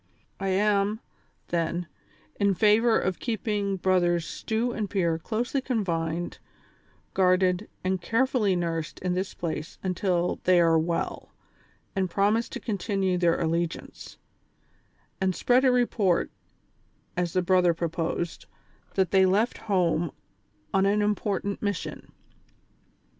I am, tlien, in favor of keeping brothers vStew and Pier closely confined, guarded and cai'efully nursed in this place until tliey are well, and promise to continue their allegiance ; and spread a report, as the brother proposed, that they left 186 THE SOCIAL WAR OF 1900; OR, home on an important mission.